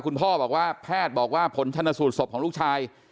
คุณพ่อบอกว่าแพทย์บอกว่าผลชนสูตรศพของลูกชาย